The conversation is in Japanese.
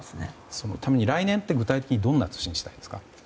そのために、来年って具体的にどんな年にしたいですか？